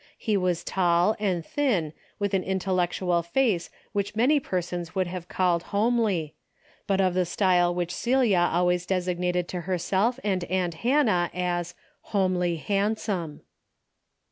He was tall and thin with an intellectual face which many persons would have called homely, but of the style which Celia always desig nated to herself and aunt Hannah as " homely handsome."